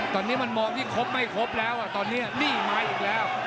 ตอนนี้มันมองยิ่งครบไม่ครบแล้วตอนนี้หนี้มาอีกแล้ว